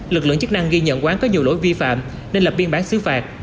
lực lượng chức năng ghi nhận quán có nhiều lỗi vi phạm nên lập biên bản xứ phạt